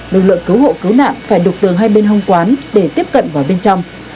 lực lượng cứu hộ cứu nạn phải đục tường hai bên hông quán để tiếp cận vào bên trong